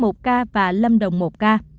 lai một ca đà nẵng một ca lâm đồng một ca